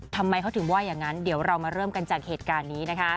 ทำไมเขาถึงว่าอย่างนั้นเดี๋ยวเรามาเริ่มกันจากเหตุการณ์นี้นะคะ